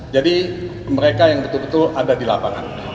jadi mereka yang betul betul ada di lapangan